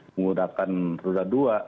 menggunakan roda dua